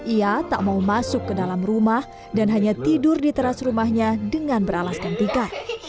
ia tak mau masuk ke dalam rumah dan hanya tidur di teras rumahnya dengan beralaskan tikar